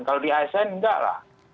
kalau di asn enggak lah